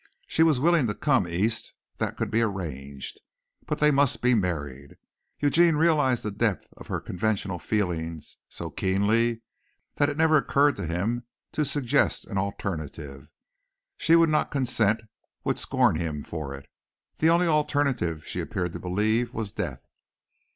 She was willing to come East that could be arranged. But they must be married. Eugene realized the depth of her conventional feeling so keenly that it never occurred to him to suggest an alternative. She would not consent, would scorn him for it. The only alternative, she appeared to believe, was death.